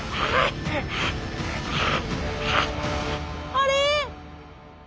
あれ？